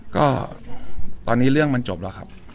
ก็ตอนนี้เรื่องมันจบแล้วครับ